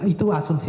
itu yang saya asumsi